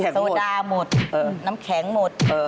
โซดาหมดน้ำแข็งหมด